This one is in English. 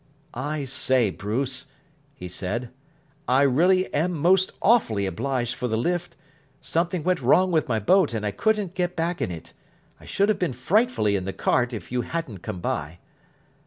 "I say, Bruce," he said, "I really am most awfully obliged for the lift. Something went wrong with my boat, and I couldn't get back in it. I should have been frightfully in the cart if you hadn't come by."